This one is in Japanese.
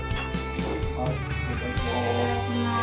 いただきます。